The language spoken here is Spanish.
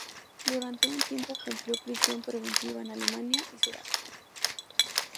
Durante un tiempo cumplió prisión preventiva en Alemania y Sudáfrica.